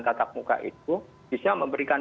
tatap muka itu bisa memberikan